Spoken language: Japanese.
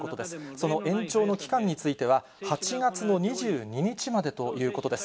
その延長の期間については、８月の２２日までということです。